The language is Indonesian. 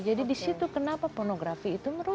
jadi di situ kenapa pornografi itu merusak ya